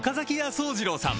惣次郎さん